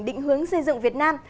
định hướng xây dựng việt nam